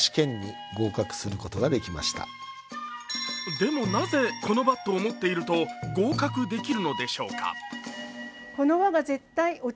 でも、なぜこのバットを持っていると合格できるのでしょうか？